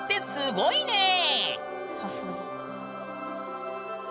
すごいな。